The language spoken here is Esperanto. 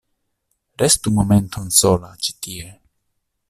Restu momenton sola ĉi tie.